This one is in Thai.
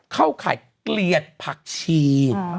เขาขนกลลิกรีดผักชี